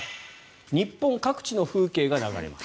日本各地の風景が流れます。